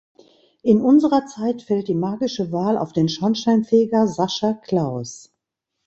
In unserer Zeit fällt die magische Wahl auf den Schornsteinfeger Sascha Claus.